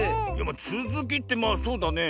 つづきってまあそうだね。